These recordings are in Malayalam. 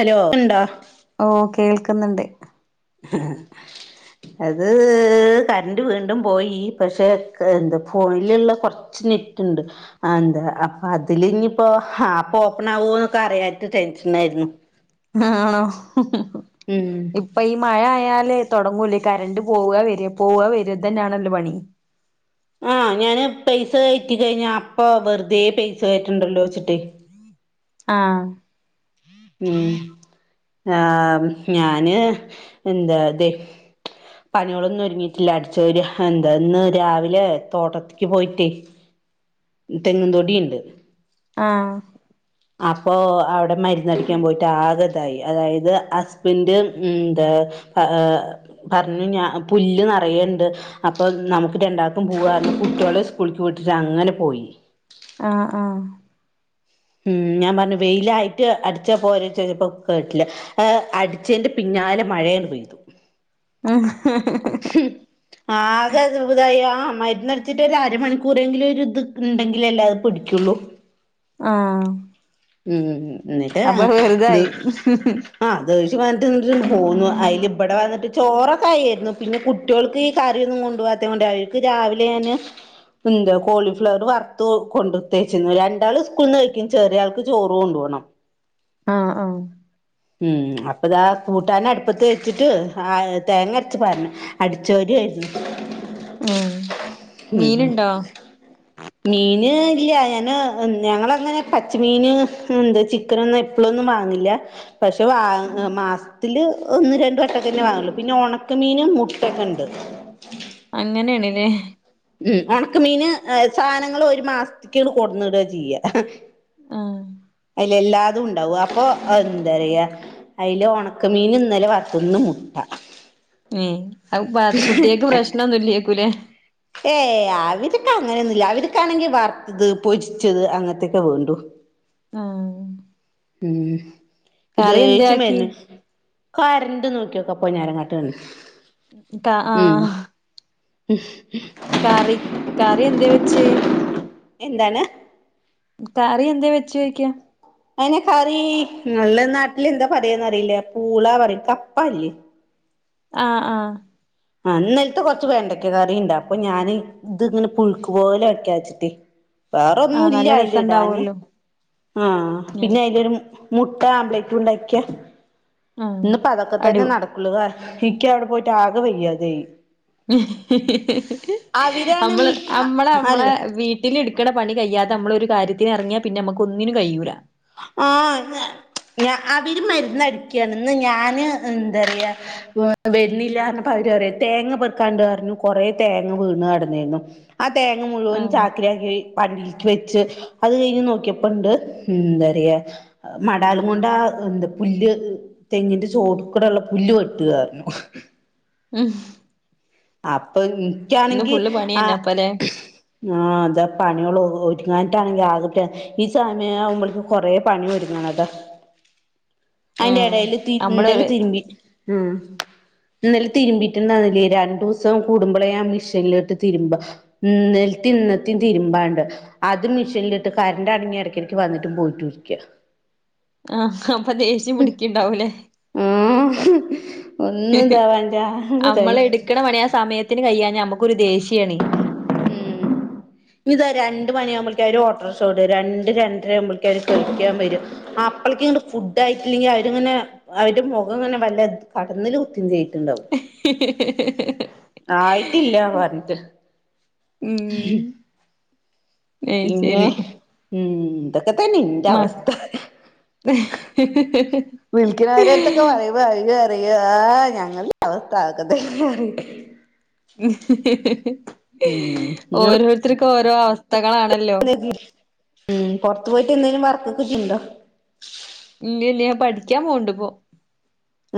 ഹലോ ഇണ്ടോ ഓഹ് കേൾക്ക്ന്ന്ണ്ട് ഹെ അത് കര്ന്റ് വീണ്ടും പോയി പക്ഷെ ക് എന്താ ഫോൺല്ള്ള കൊർ കൊർച് നെറ്റ്‌ണ്ട് ആ എന്താ അപ്പൊ അതില് ഇനിയിപ്പോ ആപ്പ് ഓപ്പൺ ആവോന്നൊക്കെ അറിയാഞ്ഞിട്ട് ടെൻഷനെര്ന്നു ആണോ ഉം ഇപ്പ ഈ മഴ ആയാല് തൊടങ്ങൂലേ കരണ്ട് പോവ വെര പോവ വെര ഇതന്നെയാണല്ലോ പണി ആഹ് ഞാന് പൈസ കയറ്റി കഴിഞ്ഞ അപ്പൊ വെറുതേ പൈസ കയറ്റണ്ടല്ലോവെച്ചിട്ടേ ആഹ് ഉം ആഹ് ഞാന് എന്താ അതെ പണികളൊന്നും ഒരുങ്ങിയിട്ടില്ല അടിചോര എന്താ ഇന്ന് രാവിലെ തോട്ടത്തിക്ക് പോയിട്ടേ തെങ്ങും തൊടീണ്ട് ആഹ് അപ്പോ അവടെ മരുന്നടിക്കാൻ പോയിട്ട് ആഗതായി അതായത് ഹസ്ബൻ് ഉം ന്താ ആ പറഞ്ഞു ഞാ പുല്ല് നറയ്ണ്ട് അപ്പൊ നമുക്ക് രണ്ടാൾക്കും പൂവാർഞ്ഞി കുട്ട്യോള് സ്കൂളിക്ക് വിട്ടിട്ട് അങ്ങനെ പോയി ആഹ് ആഹ് ഉം ഞാൻ പർഞ്ഞു വെയിലായിട്ട് അടിച്ചപോരേ ചെലപ്പം കേട്ടില്ല ഹേ അടിച്ചേന്റെ പിന്നാലെ മഴയണ്ട് പെയ്തു ആകെത് അപതായി ആ മര്ന്നടിച്ചിട്ട് ഒരു അരമണിക്കൂറെങ്കിലും ഒരു ഇത് ഇണ്ടെങ്കിലല്ലേ അഹ് പിടിക്കൊള്ളൂ ആഹ് ഉം ന്നിട്ട് അപ്പൊ അഹ്‌ ത് വെറുതായി ആ അതൊഴിച് വന്നിട്ട് വീട്ടിലേക്ക് പോന്നു അയില് ഇബടെ വന്നിട്ട് ചോറക്കെ ആയിരുന്നു പിന്നെ കു ട്ട്യോൾക്ക് ഈ കറിയൊന്നും കൊണ്ടുവാത്ത കൊണ്ട് അവര്ക്ക് രാവിലെ ഞാന് എന്താ കോളിഫ്ലവറ് വറുത്തു കൊണ്ടുത്തേച്ചിന്നൊരു രണ്ടാള് സ്കൂൾന്ന് കഴിക്കും ചെറിയ ആൾക്ക് ചോറ് കൊണ്ട് പോണം ആഹ് ആഹ് ഉം അപ്പതാ കൂട്ടനട്പ്പത്ത് വെച്ചിട്ട് ആ തേങ്ങര്ച്ച് പാരണം അടിച്ചോരായിരുന്നു ഞ്ഞേഹ് ഉം മീന് ഇല്ല ഞാന് ഞങ്ങളങ്ങനെ പച്ചമീന് എന്താ ചി ക്കനൊന്ന് എപ്പളൊന്നും വാങ്ങില്ല പക്ഷെ വാ മാസ്ത്തില് ഒന്ന് രണ്ട് വട്ടക്കന്നെ വാങ്ങൊള്ളൂ പിന്നെ ഉണക്കമീന് മുട്ടൊക്കെ ഇണ്ട് അങ്ങനേണ്ല്ലേ ഉം ഉണക്ക മീന് അയ് സാനങ്ങള് ഒരു മാസ്ത്ത്ക്ക് കൊടന്നിട ചെയ്യ ആഹ് അയില് എല്ലാതും ഉണ്ടാവും അപ്പൊ എന്താറിയാ അയില് ഒണക്കമീന് ഇന്നലെ വർത്തു ഇന്ന് മുട്ട ഞ്ഞേ അഹ് ബ കുട്ട്യേക്ക് പ്രശ്ണന്നുല്ല്യേക്കുലേ ഏഹ് അവര്ക്കങ്ങനെന്നുല്ല്യ അവര്ക്കാണെങ്കി വർത്തത് പൊരിച്ചത് അങ്ങതേക്കെ വേണ്ടു ആഹ് ഉം കറി എന്തേ ഇദേഷ്യം ആക്കി വര്ണ് കരണ്ട് നോക്ക്യോകപ്പം നേരങ്ങാട്ട്ണ്ട് ഇൻക്ക് അആ കറി കറി എന്തേവെച്ച് എന്താണ് കറി എന്തേ വെച്ചോയ്ക്ക അയിന കറീ ങ്ങളെ നാട്ടിലെന്താ പറയന്നറിയില്ല പൂളാ പറിം കപ്പ ഇല്ലേ ആഹ് ആഹ് ആ ഇന്നൽത്ത കൊർച്ചു വെണ്ടക്ക കറിയിണ്ട് അപ്പൊ ഞാന് ത്ങ്ങനെ പുഴുക്ക് പോലെ വെക്കച്ചിറ്റേ വേറൊന്നു ആഹ് ഇല്ല നല്ല അയില്ഇടാന് രസണ്ടാവല്ലോ ആഹ് ആഹ് പിന്നെ അയിലൊരും മുക്ക ആംബ്ളയിറ്റു ഉണ്ടാക്കിയ ആഹ് ഇന്ന്പ്പ അതൊക്കെ അടൂ തന്നെ നടകുള്ളത് ഇക്ക്യ അവിടെ പോയിട്ട് ആകെ വെയ്യാതായി അവരാണ് അമ്മള് മി അമ്മളെ അമ്മളെ അല്ലേ വീ ട്ടില് ഇട്ക്കണ പണി കയ്യാതെ അമ്മള് ഒരു കാര്യത്തിന് എറങ്യാ പിന്നെ അമ്മക്കൊന്നിനും കയ്യൂല ആഹ് ഞ അവര് മരുന്ന്ടിക്കാണ് ഞാന് എന്താറയാ വരുന്നില്ല അവര്റയിയും തേങ്ങ പെറുക്കാണ്ട് പറഞ്ഞു കൊറെ തേങ്ങ വീണ് കടന്നോനു. ആ തേങ്ങ മുഴുവനും ആഹ് ചാക്കിലാക്കി വണ്ടിയിലോക്ക് വെച്ച് അത് കഴിഞ്ഞ് നോക്കിയപ്പണ്ട് ഇന്തറ്‌യ മടാലും കൊണ്ട് ആ എന്താ പുല്ല് തെങ്ങിന്റെ ചേട്ടുക്കുടല്ല പുല്ല് വെട്ടുകയായിരുന്നു. ഉം അപ്പൊ ഇന്ന് ഇൻക്കാണെങ്കി ഫുള്ള് ആ. പണിയന്നെ അപ്പല്ലേ ആ പണികളൊന്നും ഒതുങ്ങാട്ട് ആകെ പ്രാന്ത് ഈ സമയകുംപോളെത്തേക്ക് - കൊറെ പണി ഒരുങ്ങണം അതാ. അതിന്റെ ആഹ് ഇടയില് നമ്മള് തിന്നല്ല ഒരു തിര്മ്പി. ഉം ഇന്നലെ തിരുമ്പീട്ട്ണ്ടായിരുന്നില്ല രണ്ട് രണ്ട് ദിവസം കൂടുമ്പോളെ ആ മിഷീനില ഇട്ട് തിരുമ്പ അതും മിഷേനിലിട്ട് കറന്റ്‌ ആണെങ്കി ഇടയ്ക്കിടയ്ക്ക് വന്നിട്ടും പോയിട്ടും ഇരിക്ക ആഹ് അപ്പൊ ദേഷ്യം പിടിക്കിണ്ടാവൂല്ലേ. മം ഒന്നുണ്ടാവാലആകെതായി. ഇടുക്കടാ പണിയാ സമയത്ത് യതിനു കഴിയാഞ്ഞിട്ട് നമുക്കൊരു ദേഷ്യമാണ്. ഇതാരാ രണ്ട് മണിയാകുമ്പോ ഓട്ടോ റിക്ഷ വിടും രണ്ട് രണ്ടര ആകുമ്പോ വിളിക്കാൻ വരും ആ അപ്പളേക്ക ഇങ്ങ ഫുഡ് ആയിട്ടില്ലെങ്കിൽ അവരിങ്ങനെ അവരുടെ മുഖം ഇങ്ങനെ വല്ല കടന്നില് കുത്തിയുംചും ണ്ടോ ആയിട്ടില്ല പറഞ്ഞിട്ട്. ഉം മം അയ് പിന്നെ ശരി ഉം ഇതൊക്കെ തന്നെ ഇന്റെ അവസ്ഥ. ഹ്ഹ്ഹ് ഹീ വയവ് അഴവ അറിയ ഞങ്ങളീം അവസ്ഥ ഇതെക്കതന്നെണ്. ഉം നിങ്ങള് ഓരോരുത്തർക്കും ഓരോ അവസ്ഥകളാണല്ലോ. ഉം പുറത്ത് പോയിട്ട് എന്തങ്കിലും വർക്കൊക്കെ ചെയ്യുന്നുണ്ടോ. ഇല്ലല്ല പഠിക്കാൻ പോകണ്ട് ഇപ്പോ.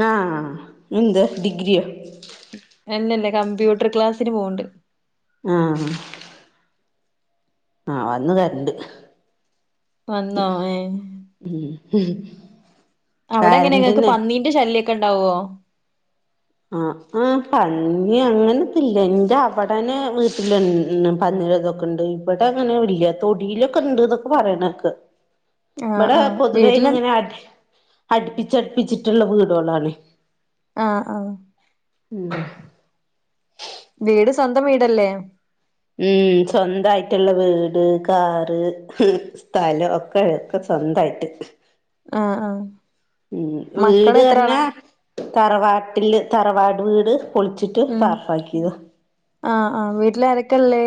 ആ എന്ത് ഡിഗ്രിയോ. അല്ലല്ലേ കമ്പ്യൂട്ടർ ക്ലാസ്സിന് പോകുന്നുണ്ട്. ആഹ് ആഹ് വന്ന് കറന്റ്‌ വന്നോ ഏ. ഉം ഉം അവിടെ എങ്ങനെ ഇങ്ങക്ക് പന്നീന്റെ ശല്യക്കണ്ടാവോ? ആഹ് പന്നി അങ്ങനെ ഇല്ല എന്റെ അവിടെ വീട്ടിൽ ഉണ്ട് പണികളൊക്കെ ണ്ട് ഇവിടെ അങ്ങനെ ഇല്ല തൊടിയിലൊക്കെ ഉണ്ട് എന്നൊക്കെ പറയണൊക്കെ. ആഹ് ഇവിടെ ആഹ് പൊതുവെ വീട്ടില് ഇങ്ങനെ അടുപ്പിച്ചടുപ്പിച്ചിട്ടുള്ള വീടുകളാണ്. ആഹ് ആഹ് ഉം വീട് സ്വന്തം വീടല്ലേ? മം സ്വന്തായിട്ടുള്ള വീട് കാറ് മം സ്ഥലം ഒക്കെ ഒക്കെ സ്വന്തായിട്ട്. ആഹ് ആഹ് ഉം വീട് മക്കള് എത്ര പർഞ്ഞ ആളാ തറവാട്ടില് തറവാട് വീട് പൊളിച്ചിട്ട് വാർപ്പാക്കിയത. ആ ആ വീട്ടില ആരൊക്കെല്ലേ?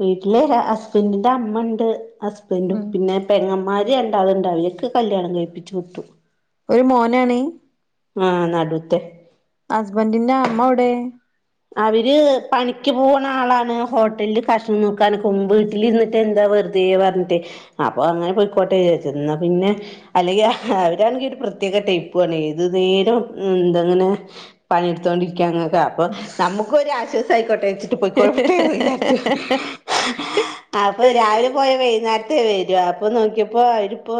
വീട്ടിലെ ഹസ്ബൻഡിന്റെ അമ്മണ്ട് ഹസ്ബൻറും ഉം പിന്നെ പെങ്ങമ്മാര് രണ്ടാള്ണ്ട് അവരൊക്കെ കല്യാണം കഴിപ്പിച്ച് വിട്ടു. ഒരു മോനാണ ആഹ് അടുത്തെ ഹസ്ബൻറിിന്റെ അമ്മ എടേ അവര് പണിക്ക് പോകണ ആളാണ് ഹോട്ടലില് കഷണം നോക്കാനൊക്കെ വീട്ടിൽ ഇന്നിട്ട് എന്താ വെറുത ത പറഞ്ഞിട്ടെ അപ്പൊ അങ്ങനെ പോയിക്കോട്ടെ ചെന്ന പിന്നെ അല്ലെങ്കിൽ അവരാണെങ്കിൽ ഒരു പ്രത്യേക ടൈപ്പണ് ഏതു നേരം എന്തങ്ങനെ പണിയെടുത്തോണ്ടിരിക്കുക [unintelligible] അപ്പൊ നമുക്ക ഒരു ആശ്വാസ ആയിക്കോട്ടെ ഇച്ചിട്ട് പോയിക്കഴട്ടെന്ന് വിചാരിച്ചു അപ്പൊ രാവിലെ പോയ വൈകുന്നേരത്തെേ വരൂ അപ്പൊ നോക്കിയപ്പോ അവരിപ്പോ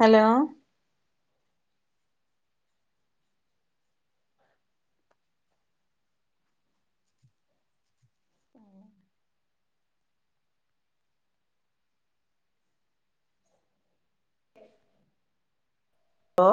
ഹലോ ന്തോ